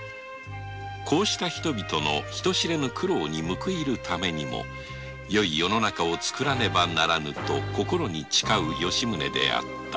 こうした人知れぬ苦労に報いるためにもよい世の中を作らねばならぬと心に誓う吉宗であった